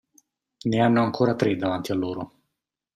Ne hanno ancora tre davanti a loro!